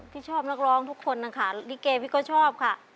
พี่ชอบนักร้องทุกคนนะคะลิเกพี่ก็ชอบค่ะ